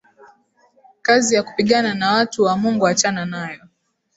Kazi ya kupigana na watu wa Mungu achana nayo.